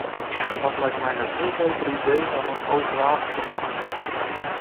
Dat lijkt me een veel beter idee dan een overhaast debat.